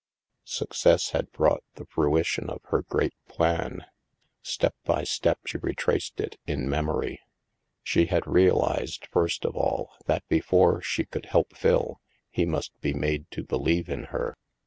Success had brought the fruition of her great plan. Step by step, she retraced it in memory. She had realized, first of all, that before she could help Phil, he must be made to believe in her.